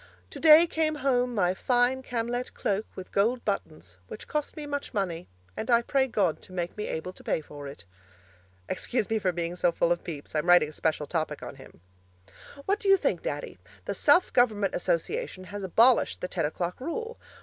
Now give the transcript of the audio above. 'Today came home my fine Camlett cloak with gold buttons, which cost me much money, and I pray God to make me able to pay for it.' Excuse me for being so full of Pepys; I'm writing a special topic on him. What do you think, Daddy? The Self Government Association has abolished the ten o'clock rule.